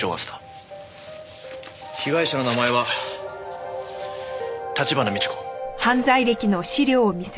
被害者の名前は立花美知子。